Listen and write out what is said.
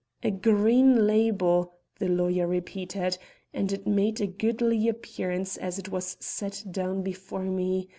"A green label," the lawyer repeated, "and it made a goodly appearance as it was set down before me.